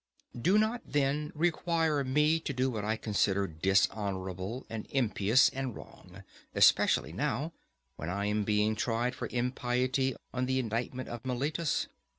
Do not then require me to do what I consider dishonourable and impious and wrong, especially now, when I am being tried for impiety on the indictment of Meletus.